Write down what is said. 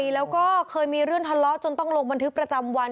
แล้วก็เคยมีเรื่องทะเลาะจนต้องลงบันทึกประจำวัน